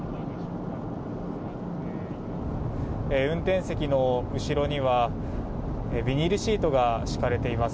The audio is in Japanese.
運転席の後ろにはビニールシートが敷かれています。